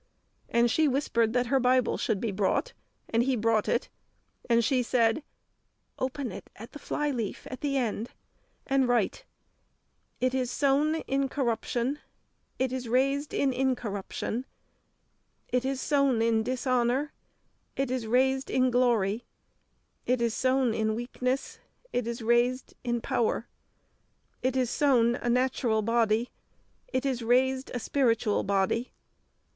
And she whispered that her Bible should be brought, and he brought it, and she said, "Open it at the flyleaf at the end, and write, 'It is sown in corruption, it is raised in incorruption; it is sown in dishonour, it is raised in glory; it is sown in weakness, it is raised in power; it is sown a natural body, it is raised a spiritual body!'"